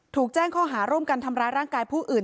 ถูกแจ้งข้อหาร่วมกันทำร้ายร่างกายผู้อื่น